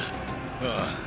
ああ